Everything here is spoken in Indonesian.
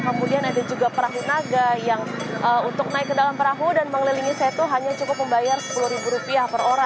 kemudian ada juga perahu naga yang untuk naik ke dalam perahu dan mengelilingi setu hanya cukup membayar rp sepuluh